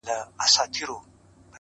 زړه لکه هينداره ښيښې گلي؛